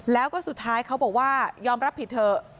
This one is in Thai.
แล้วก็สุดท้ายเขาบอกว่ายอมรับผิดเถอะ